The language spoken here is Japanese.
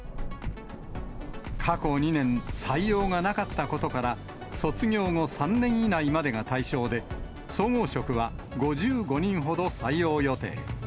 過去２年、採用がなかったことから、卒業後３年以内までが対象で、総合職は５５人ほど採用予定。